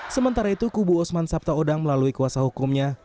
sementara itu kubu osman sabtaodang melalui kuasa hukumnya